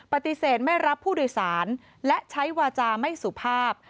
ปฏิเสธไม่รับผู้โดยสารและใช้วาจาไม่สุภาพ